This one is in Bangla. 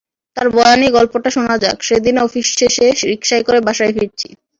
তাঁর বয়ানেই গল্পটা শোনা যাক—সেদিন অফিস শেষে রিকশায় করে বাসায় ফিরছি।